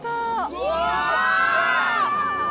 うわ！